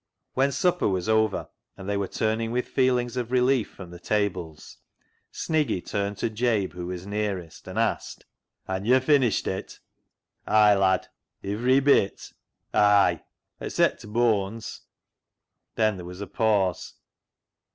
When supper was over and they were turn ing with feelings of relief from the tables, Sniggy turned to Jabe, who was nearest, and asked —" Han yo' finished it ?"" Ay, lad." " Ivery bit ?"" Ay ! Except t' boanes." Then there was a pause.